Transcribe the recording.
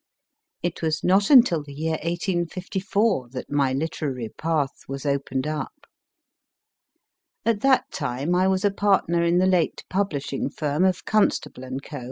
It was not until the year 1854 that my literary path was opened up. At that time I was a partner in the late publish ing firm of Constable & Co.